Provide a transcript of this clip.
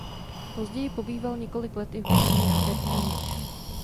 Později pobýval několik let i v Římě a Berlíně.